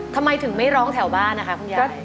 ทำไมถึงไม่ร้องแถวบ้านนะคะคุณยาย